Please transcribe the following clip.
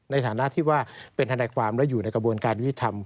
ในฐานะที่ว่าเป็นทนายความและอยู่ในกระบวนการยุทธิธรรม